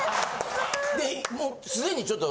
でもうすでにちょっと。